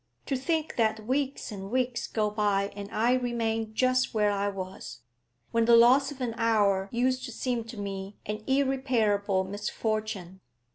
To think that weeks and weeks go by and I remain just where I was, when the loss of an hour used to seem to me an irreparable misfortune.